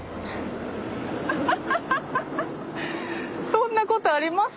そんなことあります？